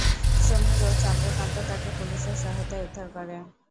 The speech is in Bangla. সমীর ও চন্দ্রকান্ত তাকে পুলিশের সহায়তায় উদ্ধার করে।